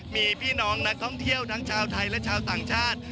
มีพี่น้องนักท่องเที่ยวทั้งชาวไทยและชาวต่างชาติ